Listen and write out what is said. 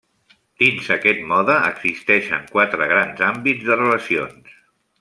Dins aquest mode existeixen quatre grans àmbits de relacions.